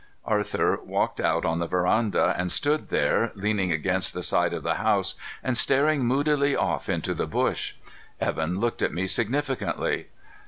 Arthur walked out on the veranda and stood there, leaning against the side of the house and staring moodily off into the bush. Evan looked at me significantly.